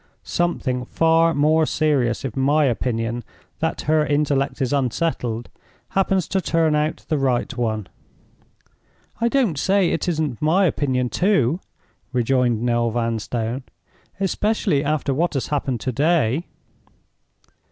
Something far more serious, if my opinion that her intellect is unsettled happens to turn out the right one." "I don't say it isn't my opinion, too," rejoined Noel Vanstone. "Especially after what has happened to day."